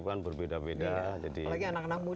kan berbeda beda jadi anak anak muda